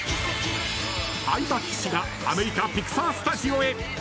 相葉、岸がアメリカ、ピクサースタジオへ。